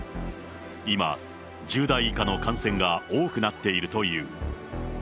今、１０代以下の感染が多くなっているという。